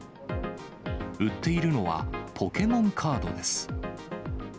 売っているのは、ポケモンカードです。